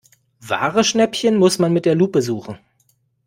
Wahre Schnäppchen muss man mit der Lupe suchen.